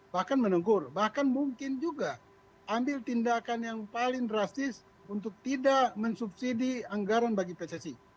bahkan menegur bahkan mungkin juga ambil tindakan yang paling drastis untuk tidak mensubsidi anggaran bagi pssi